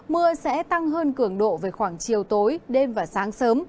mưa sẽ tăng hơn cường độ về khoảng chiều tối đêm và sáng sớm